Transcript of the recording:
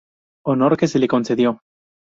Honor que se le concedió.